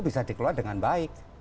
bisa dikeluarkan dengan baik